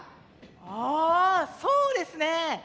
ああそうですね！